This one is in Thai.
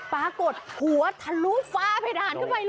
ปรากฏหัวทะลุฟ้าเพดานขึ้นไปเลย